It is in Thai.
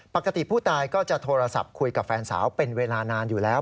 ปกติผู้ตายก็จะโทรศัพท์คุยกับแฟนสาวเป็นเวลานานอยู่แล้ว